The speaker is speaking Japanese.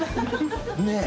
ねえ。